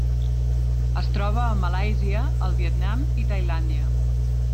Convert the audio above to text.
Es troba a Malàisia, el Vietnam i Tailàndia.